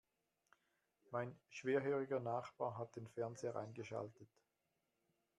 Mein schwerhöriger Nachbar hat den Fernseher eingeschaltet.